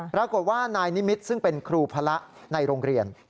ปรากฏว่านายนิมิตรซึ่งเป็นครูพระในโรงเรียน